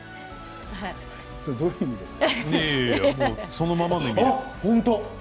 それはどういう意味ですか。